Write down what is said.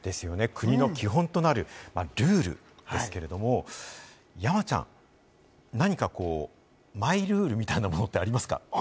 国の基本となるルールですけれども、山ちゃん、何かマイルールみたいなものってありますか？